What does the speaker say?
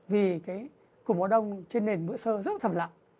vì củng bó đông trên nền vữa sơ rất là thầm lặng